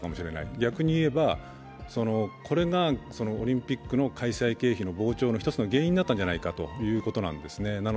逆に言えば、これがオリンピックの開催経費の膨張の一つの原因だったのではないかということなんですね。